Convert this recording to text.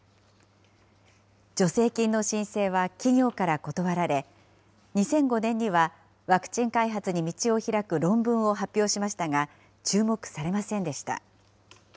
助成金の申請は企業から断られ、２００５年には、ワクチン開発に道をひらく論文を発表しましたが、注目されませんでした。